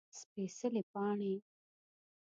سپيڅلي پاڼې